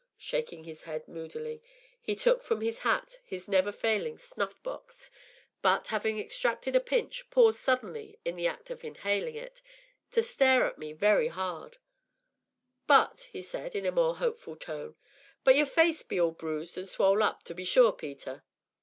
Shaking his head moodily, he took from his hat his neverfailing snuff box, but, having extracted a pinch, paused suddenly in the act of inhaling it, to stare at me very hard. "But," said he, in a more hopeful tone, "but your face be all bruised an' swole up, to be sure, Peter."